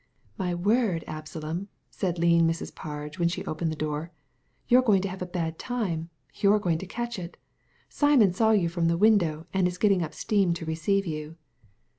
" My word, Absalom," said lean Mrs. Parge when she opened the door, " you're going to have a bad time ; youVe going to catch it Simon saw you from the window, and is getting up steam to receive you."